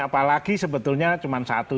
apalagi sebetulnya cuma satu